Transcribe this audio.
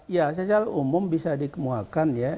ya secara umum bisa dikemukakan ya